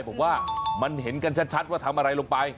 ผมว่ามันเห็นกันชัดว่าทำอะไรลงไป